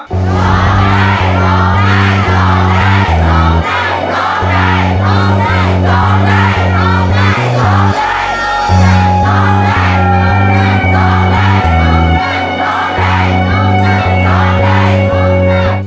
ร้องได้ร้องได้ร้องได้